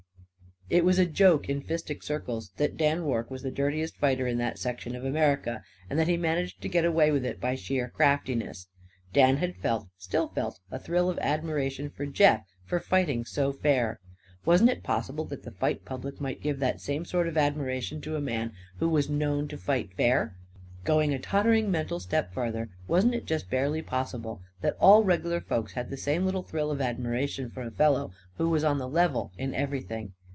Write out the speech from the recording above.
It was a joke in fistic circles that Dan Rorke was the dirtiest fighter in that section of America; and that he managed to get away with it by sheer craftiness. Dan had felt still felt a thrill of admiration for Jeff for fighting so fair. Wasn't it possible that the fight public might give that same sort of admiration to a man who was known to fight fair? Going a tottering mental step farther, wasn't it just barely possible that all reg'lar folks had that same little thrill of admiration for a fellow who was on the level in everything?